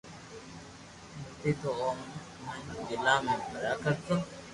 ملتي تو او مون ھين گلا ۾ ڀآرا ڪرتو